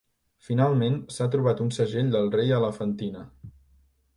Finalment, s'ha trobat un segell del rei a Elefantina.